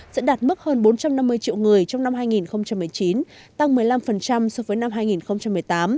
sẽ đạt mức hơn bốn trăm năm mươi triệu người trong năm hai nghìn một mươi chín tăng một mươi năm so với năm hai nghìn một mươi tám